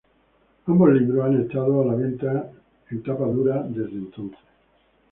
Ambos libros han estado a la venta en tapa dura desde entonces.